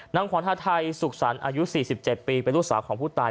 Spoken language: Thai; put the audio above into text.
ขวานฮาไทยสุขสรรค์อายุ๔๗ปีเป็นลูกสาวของผู้ตาย